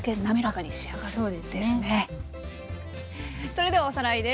それではおさらいです。